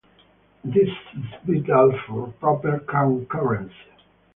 This is vital for proper concurrency.